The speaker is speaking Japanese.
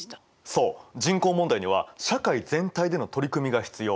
そう人口問題には社会全体での取り組みが必要。